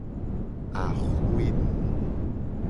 Axwe nu.